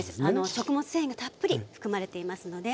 食物繊維がたっぷり含まれていますので。